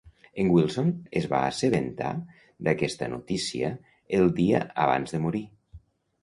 En Wilson es va assabentar d'aquesta notícia el dia abans de morir.